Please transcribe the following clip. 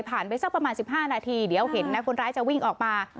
ไปสักประมาณ๑๕นาทีเดี๋ยวเห็นนะคนร้ายจะวิ่งออกมา